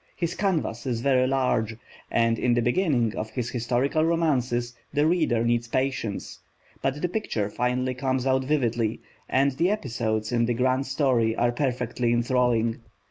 His canvas is very large, and in the beginning of his historical romances the reader needs patience, but the picture finally comes out vividly, and the episodes in the grand story are perfectly enthralling.